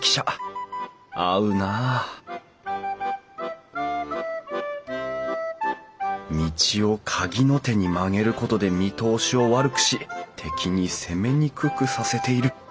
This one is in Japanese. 合うな道をかぎの手に曲げることで見通しを悪くし敵に攻めにくくさせている。